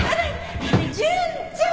潤ちゃん！